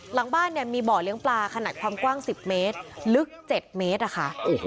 หลังบ้านเนี่ยมีบ่อเลี้ยงปลาขนาดความกว้าง๑๐เมตรลึก๗เมตรอะค่ะ